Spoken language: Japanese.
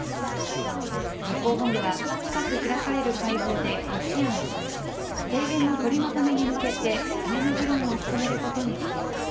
実行本部は、近く開かれる会合で骨子案を示し、提言の取りまとめに向けて、詰めの議論を進めることにしています。